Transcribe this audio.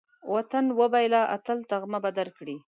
وطن وبېله، اتل تمغه به درکړي